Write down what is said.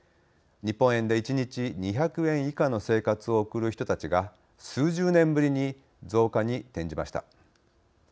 日本円で１日２００円以下の生活を送る人たちが数十年ぶりに増加に転じました。